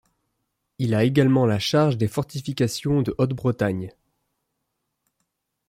Il a également la charge des fortifications de Haute-Bretagne.